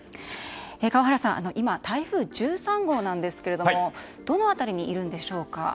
川原さん、今台風１３号なんですがどの辺りにいるんでしょうか。